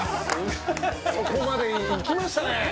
そこまでいきましたね